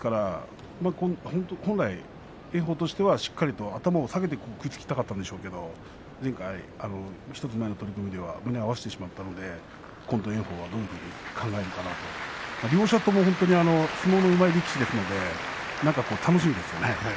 本来、炎鵬としてはしっかりと頭を下げて食いつきたかったんでしょうが１つ前の取組では胸を合わせてしまったのでこの炎鵬がどういうふうに考えるのか、両者とも相撲がうまい力士ですので楽しみですね。